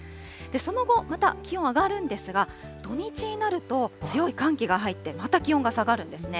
その後、また気温上がるんですが、土日になると、強い寒気が入って、また気温が下がるんですね。